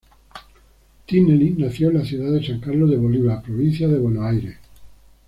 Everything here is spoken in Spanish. Tinelli nació en la ciudad de San Carlos de Bolívar, Provincia de Buenos Aires.